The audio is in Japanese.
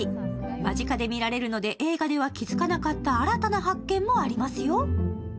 間近で見られるので映画では気付かなかった新たな発見もありますよ。